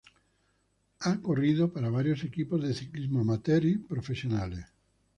Ha corrido para varios equipos de ciclismo amateur y profesionales.